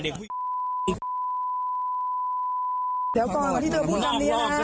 เดี๋ยวก่อนก่อนที่จะพูดคำนี้นะ